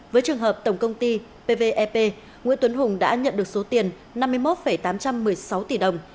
với trường hợp tổng công ty pvep nguyễn tuấn hùng đã nhận được số tiền năm mươi một tám trăm một mươi sáu tỷ đồng